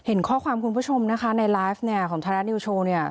เห็นข้อความคุณผู้ชมนะคะในไลฟ์เนี่ยของไทยรัฐนิวโชว์เนี่ย